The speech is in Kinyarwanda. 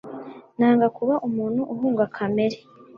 Nanga kuba umuntu uhunga kamere.